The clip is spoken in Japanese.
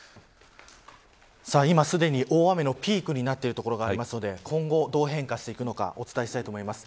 今すでに大雨のピークになっている所がありますので今後、どう変化していくのかお伝えします。